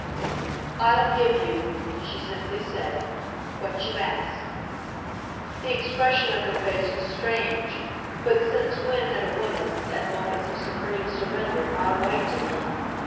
"I'll give you," she simply said, "what you ask." The expression of her face was strange but since when had a woman's at moments of supreme surrender not a right to be?